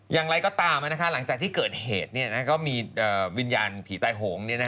อย่างไรก็ตามหลังจากที่เกิดเหตุก็มีวิญญาณผีตายโหง